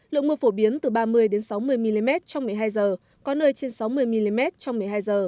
lượng mưa phổ biến từ ba mươi sáu mươi mm trong một mươi hai h có nơi trên sáu mươi mm trong một mươi hai h